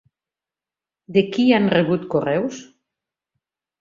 De qui han rebut correus?